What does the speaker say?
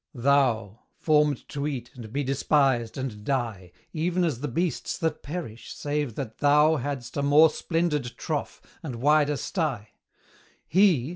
THOU! formed to eat, and be despised, and die, Even as the beasts that perish, save that thou Hadst a more splendid trough, and wider sty: HE!